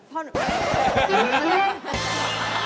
พ่อหนู